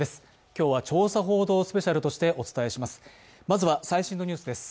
今日は調査報道スペシャルとしてお伝えします。